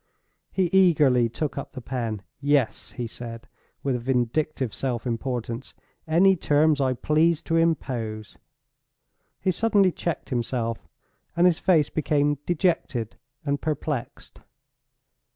He eagerly took up the pen. "Yes," he said, with a vindictive self importance, "any terms I please to impose." He suddenly checked himself and his face became dejected and perplexed.